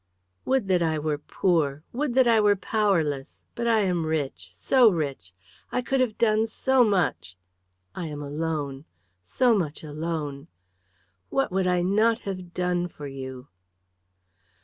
"Would that I were poor! Would that I were powerless! But I am rich so rich. I could have done so much. I am alone so much alone. What would I not have done for you?"